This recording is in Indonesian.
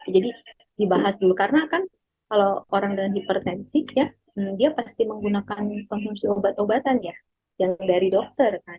jadi dibahas dulu karena kan kalau orang dengan hipertensi dia pasti menggunakan konsumsi obat obatan ya yang dari dokter